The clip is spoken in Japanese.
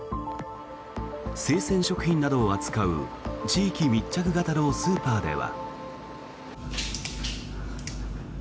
生鮮食品などを扱う地域密着型のスーパーでは。